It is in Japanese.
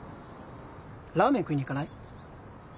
ラーメン食いに行かない？